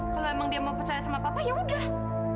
kalau emang dia mau percaya sama papa ya udah